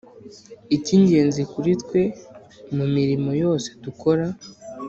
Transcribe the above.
icy'ingenzi kuri twe - mu mirimo yose dukora,